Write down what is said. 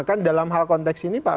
kan dalam hal konteks ini pak